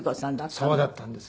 そうだったんです。